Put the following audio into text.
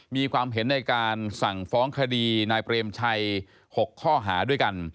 มีความเห็นในการสั่งฟ้องคดีนายเปรมชัย๖ข้อหาด้วยกัน